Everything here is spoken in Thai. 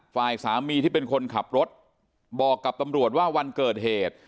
ฝ่ายสามีที่เป็นคนขับรถบอกกับตำรวจว่าวันเกิดเหตุ